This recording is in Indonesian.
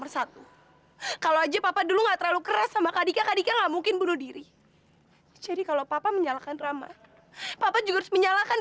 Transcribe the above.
sampai jumpa di video selanjutnya